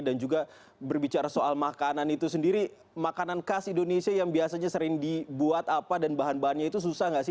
dan juga berbicara soal makanan itu sendiri makanan khas indonesia yang biasanya sering dibuat apa dan bahan bahannya itu susah nggak sih